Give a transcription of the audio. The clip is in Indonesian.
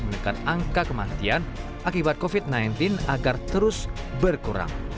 menekan angka kematian akibat covid sembilan belas agar terus berkurang